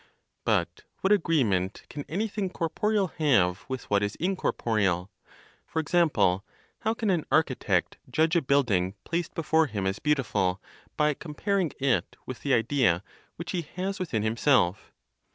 But what agreement can anything corporeal have with what is incorporeal? For example, how can an architect judge a building placed before him as beautiful, by comparing it with the Idea which he has within himself?